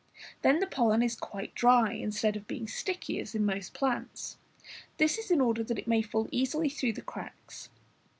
Then the pollen is quite dry, instead of being sticky as in most plants. This is in order that it may fall easily through the cracks.